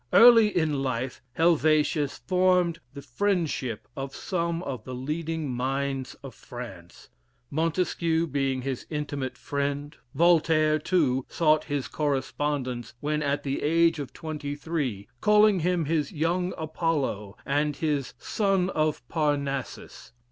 Early in life Heivetius formed the friendship of some of the leading minds of France, Montesquieu being his intimate friend. Voltaire, too, sought his correspondence when at the age of twenty three, calling him his "Young Apollo," and his "Son of Parnassus."